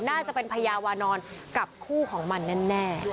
น่าจะเป็นพระยาวนอนกับคู่ของมันนั่นแน่